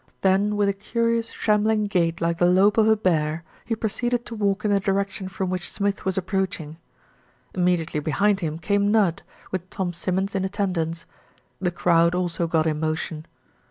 Then with a curious shambling gait like the lope of a bear, he pro ceeded to walk in the direction from which Smith was approaching. Immediately behind him came Nudd, with Tom Sim mons in attendance. The crowd also got in motion.